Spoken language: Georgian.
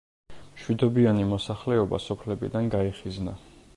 მშვიდობიანი მოსახლეობა სოფლებიდან გაიხიზნა.